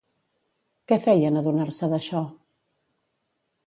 Què feia en adonar-se d'això?